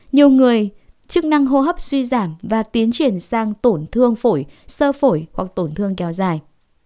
nhiều người chức năng hô hấp suy giảm và tiến triển sang tổn thương phổi sơ phổi hoặc tổn thương kéo dài